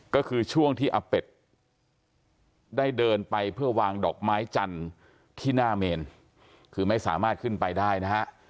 ก็คือช่วงที่อาเป็ดได้เดินไปเพื่อวางดอกไม้จันทร์ที่หน้าเมนคือไม่สามารถขึ้นไปได้นะฮะ